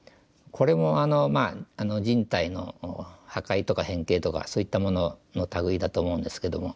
これも人体の破壊とか変形とかそういったものの類いだと思うんですけども。